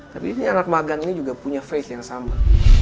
tapi ini anak magang ini juga punya face yang sama